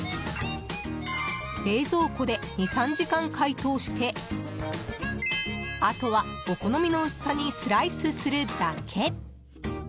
冷蔵庫で２３時間解凍してあとは、お好みの薄さにスライスするだけ！